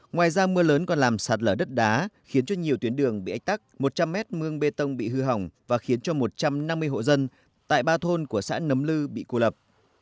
ngoài ra mưa lớn còn làm sạt lở đất đá khiến cho nhiều tuyến đường bị ách tắc một trăm linh mét mương bê tông bị hư hỏng và khiến cho một trăm năm mươi hộ dân tại ba thôn của xã nấm lư bị cô lập